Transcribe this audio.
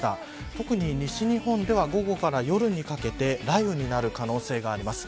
特に西日本では午後から夜にかけて雷雨になる可能性があります。